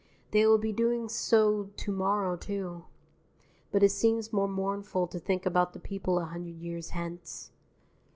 They will be doing so to morrow, too; but it seems more mournful to think about the people a hundred years hence.